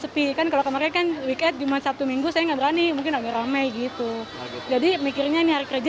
pertanyaan dari pemirsa dki jakarta